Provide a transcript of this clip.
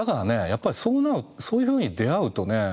やっぱりそういうふうに出会うとね